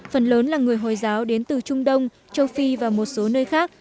phần lớn là người hồi giáo đến từ trung đông châu phi và một số nơi khác